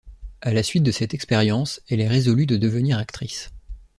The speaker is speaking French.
A la suite de cette expérience, elle est résolue de devenir actrice.